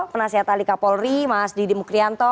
penasehat alika polri mas didi mukrianto